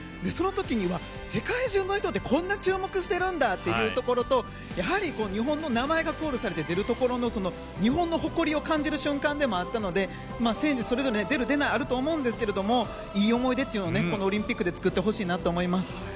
その時には世界中の人ってこんなに注目しているんだというところとやはり日本の名前がコールされて出るところでは日本の誇りを感じる瞬間でもあったので選手それぞれ出る、出ないはあると思いますけどいい思い出をこのオリンピックで作ってもらいたいなと思います。